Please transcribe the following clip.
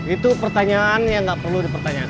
itu pertanyaan yang nggak perlu dipertanyakan